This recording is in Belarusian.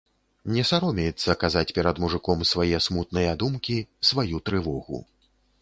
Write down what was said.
Не саромеецца казаць перад мужыком свае смутныя думкі, сваю трывогу.